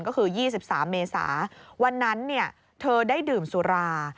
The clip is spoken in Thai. ก็คือ๒๓เมษาวันนั้นเธอได้ดื่มสุรา